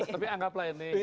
tapi anggaplah ini